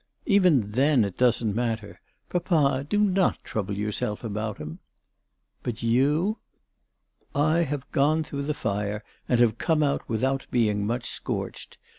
" Even then it doesn't matter. Papa, do not trouble yourself about him." " But you ?"" I have gone through the fire, and have come out without being much scorched.